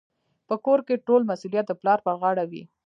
په کور کي ټول مسوليت د پلار پر غاړه وي.